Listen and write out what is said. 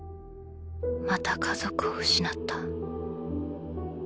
また家族を失った。